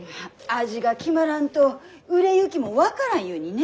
味が決まらんと売れ行きも分からんゆうにね。